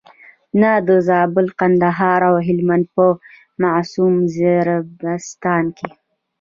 نه د زابل، کندهار او هلمند په معصوم وزیرستان کې.